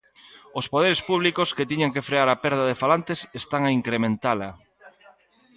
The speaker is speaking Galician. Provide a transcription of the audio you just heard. "Os poderes públicos que tiñan que frear a perda de falantes están a incrementala".